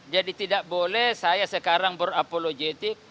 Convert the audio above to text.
jadi tidak boleh saya sekarang berapologetik